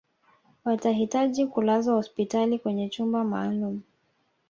watahitaji kulazwa hospitali kwenye chumba maalum